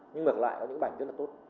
nhưng ngược lại là những bảnh rất là tốt